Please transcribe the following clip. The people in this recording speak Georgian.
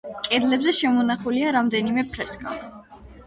კედლებზე შემონახულია რამდენიმე ფრესკა.